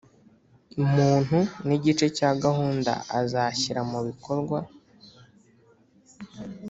muntu n igice cya gahunda azashyira mu bikorwa